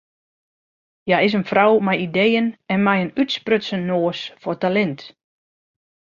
Hja is in frou mei ideeën en mei in útsprutsen noas foar talint.